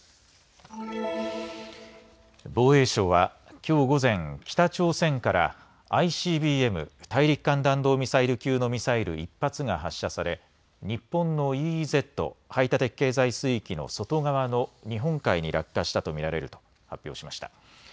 防衛省はきょう午前、北朝鮮からＩＣＢＭ・大陸間弾道ミサイル級のミサイル１発が発射され日本のＥＥＺ・排他的経済水域の外側の日本海に落下したと見られると発表しました。